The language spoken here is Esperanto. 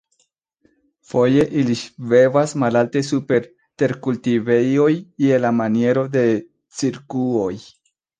Foje ili ŝvebas malalte super terkultivejoj je la maniero de cirkuoj.